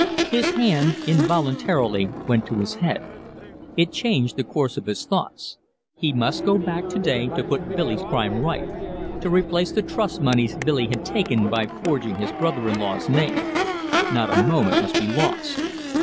His hand involuntarily went to his head. It changed the course of his thoughts. He must go back to day to put Billy's crime right, to replace the trust moneys Billy had taken by forging his brother in law's name. Not a moment must be lost.